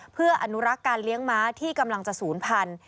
เพื่ออนุรักษ์การเลี้ยงม้าที่กำลังจะศูนย์พันธุ